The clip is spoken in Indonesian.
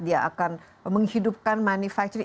dia akan menghidupkan manufacturing